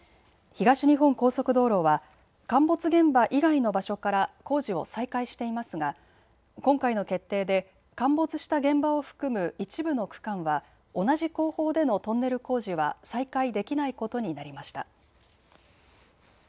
東日本高速道路は陥没現場以外の場所から工事を再開していますが今回の決定で陥没した現場を含む一部の区間は同じ工法でのトンネル工事は再開できないことになりました。